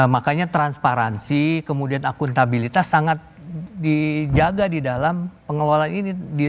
makanya transparansi kemudian akuntabilitas sangat dijaga di dalam pengelolaan ini